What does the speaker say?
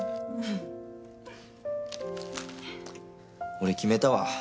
俺決めたわ。